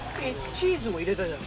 チーズも入れたじゃん。